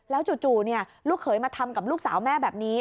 จู่ลูกเขยมาทำกับลูกสาวแม่แบบนี้